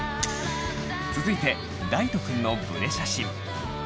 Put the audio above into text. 続いて大翔くんのブレ写真。